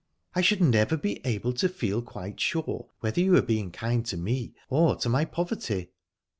I should never be able to feel quite sure whether you were being kind to me or to my poverty."